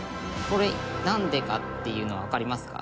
「これなんでかっていうのはわかりますか？」